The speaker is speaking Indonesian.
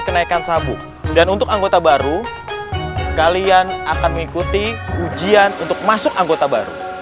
kenaikan sabuk dan untuk anggota baru kalian akan mengikuti ujian untuk masuk anggota baru